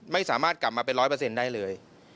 ไม่สามารถกลับมาเป็นร้อยเปอร์เซ็นต์ได้เลย